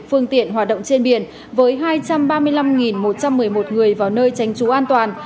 phương tiện hoạt động trên biển với hai trăm ba mươi năm một trăm một mươi một người vào nơi tránh trú an toàn